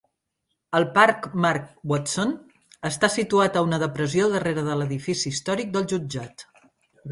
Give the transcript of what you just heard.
El Park Mark Watson està situat a una depressió darrere del l'edifici històric del jutjat.